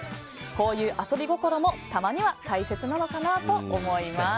こういう遊び心もたまには大切なのかなと思います。